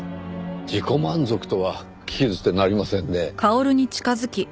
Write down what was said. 自己満足とは聞き捨てなりませんねぇ。